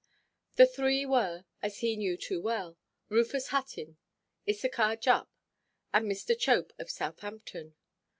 The three were, as he knew too well, Rufus Hutton, Issachar Jupp, and Mr. Chope, of Southampton.